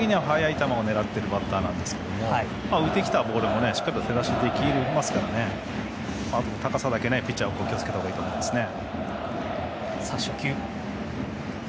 基本的には速い球を狙っているバッターですが浮いてきたボールを手出しできますから高さだけはピッチャーは気をつけた方がいいですね。